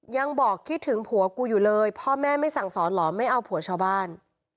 ยังบอกคิดถึงผัวกูอยู่เลยพ่อแม่ไม่สั่งสอนเหรอไม่เอาผัวชาวบ้าน